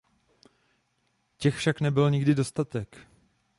Těch však nebyl nikdy dostatek.